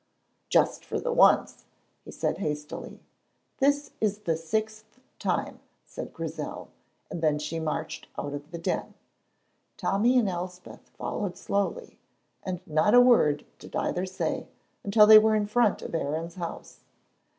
"Just for the once," he said, hastily. "This is the sixth time," said Grizel, and then she marched out of the Den. Tommy and Elspeth followed slowly, and not a word did either say until they were in front of Aaron's house.